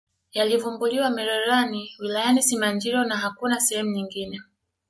yalivumbuliwa mererani wilayani simanjiro na hakuna sehemu nyingine